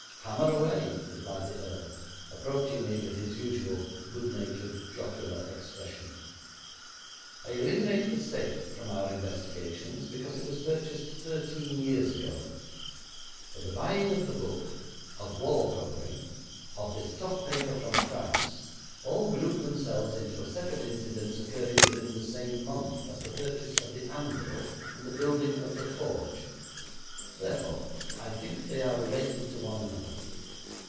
'Hammer away,' replied the earl, approaching me with his usual good natured, jocular expression. 'I eliminate the safe from our investigations because it was purchased thirteen years ago, but the buying of the book, of wall covering, of this tough paper from France, all group themselves into a set of incidents occurring within the same month as the purchase of the anvil and the building of the forge; therefore, I think they are related to one another.